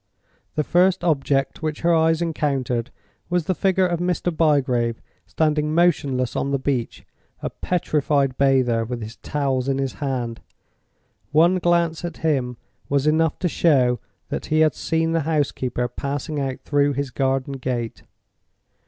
The first object which her eyes encountered was the figure of Mr. Bygrave standing motionless on the beach—a petrified bather, with his towels in his hand! One glance at him was enough to show that he had seen the housekeeper passing out through his garden gate.